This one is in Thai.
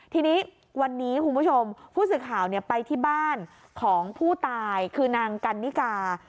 ทีนี้วันนี้คุณผู้ชมผู้สื่อข่าวไปที่บ้านของผู้ตายคือนางกันนิกา